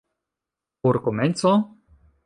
Por komenco?